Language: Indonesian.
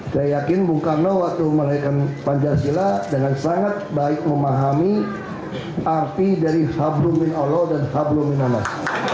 saya yakin bung karno waktu melahirkan pancasila dengan sangat baik memahami arti dari hablumin allah dan hablumin anas